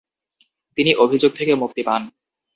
তিনি অভিযোগ থেকে মুক্তি পান।